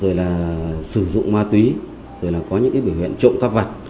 rồi là sử dụng ma túy rồi là có những cái biểu hiện trộm cắp vặt